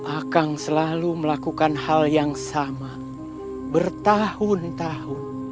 akang selalu melakukan hal yang sama bertahun tahun